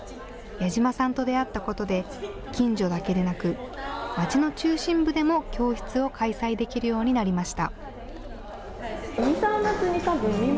矢島さんと出会ったことで近所だけでなく、まちの中心部でも教室を開催できるようになりました。